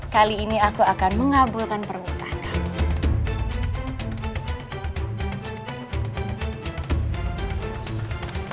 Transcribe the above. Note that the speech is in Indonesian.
kali ini aku akan mengabulkan permintaan kami